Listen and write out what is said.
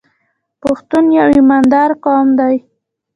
پښتون یو ایماندار قوم دی.